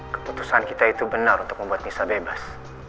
keputusan kita itu benar untuk membuat nisa bebas